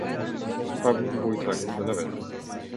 Pablo Buitrago Benavente.